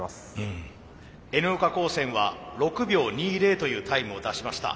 Ｎ岡高専は６秒２０というタイムを出しました。